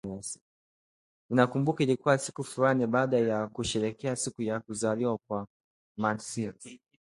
Ninakumbuka ilikuwa siku fulani baada ya kusherehekea siku ya kuzaliwa kwa Massiah